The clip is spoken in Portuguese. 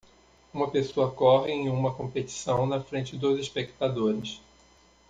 Uma pessoa corre em uma competição na frente dos espectadores.